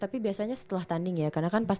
tapi biasanya setelah tanding ya karena kan pas